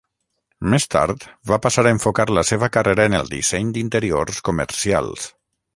Més tard, va passar a enfocar la seva carrera en el disseny d'interiors comercials.